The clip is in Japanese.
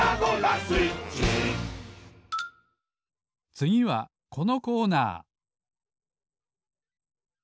つぎはこのコーナー。